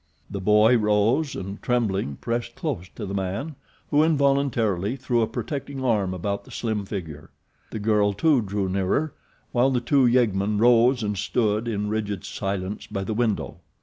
The boy rose and, trembling, pressed close to the man who, involuntarily, threw a protecting arm about the slim figure. The girl, too, drew nearer, while the two yeggmen rose and stood in rigid silence by the window.